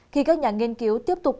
khi các nhà nghiên cứu tiếp tục